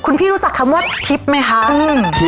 คุณพี่รู้จักคำว่าทิพย์ไหมคะ